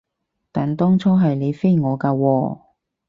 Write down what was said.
但當初係你飛我㗎喎